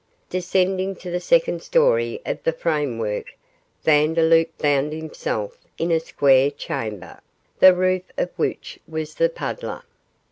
Descending to the second story of the framework, Vandeloup found himself in a square chamber, the roof of which was the puddler.